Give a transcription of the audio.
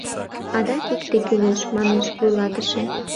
— Адак икте кӱлеш, — манеш вуйлатыше.